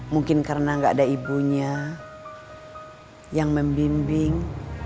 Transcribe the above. mungkin karena gak ada ibunya yang membimbing